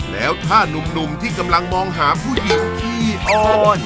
แล้วถ้านุ่มที่กำลังมองหาผู้หญิงที่อ่อน